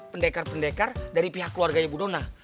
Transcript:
pendekar pendekar dari pihak keluarganya budona